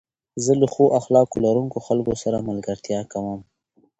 زه له ښو اخلاق لرونکو خلکو سره ملګرتيا کوم.